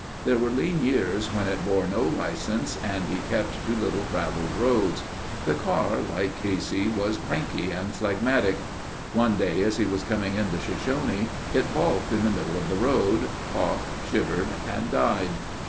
There were lean years when it bore no license and he kept to little traveled roads. The car, like Casey, was cranky and phlegmatic. One day as he was coming into Shoshone it balked in the middle of the road, coughed, shivered, and died.